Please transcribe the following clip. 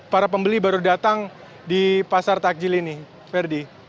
para pembeli baru datang di pasar takjil ini verdi